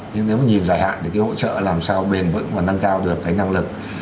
nhưng nếu mà nhìn dài hạn thì cái hỗ trợ làm sao bền vững và nâng cao được cái năng lực